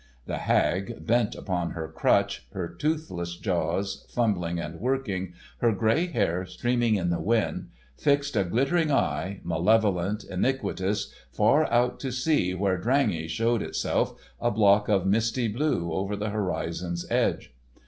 The hag, bent upon her crutch, her toothless jaws fumbling and working, her gray hair streaming in the wind, fixed a glittering eye, malevolent, iniquitous, far out to sea where Drangey showed itself, a block of misty blue over the horizon's edge.